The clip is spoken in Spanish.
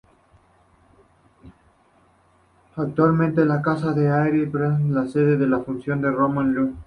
Actualmente, la Casa de Areny-Plandolit es la sede de la Fundació Ramon Llull